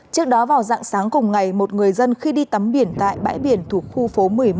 trước đó vào dạng sáng cùng ngày một người dân khi đi tắm biển tại bãi biển thuộc khu phố một mươi một